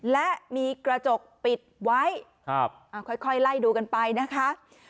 และมีกระจกปิดไว้ค่อยไล่ดูกันไปนะคะ